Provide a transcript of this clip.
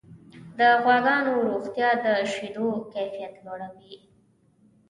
د غواګانو روغتیا د شیدو کیفیت لوړوي.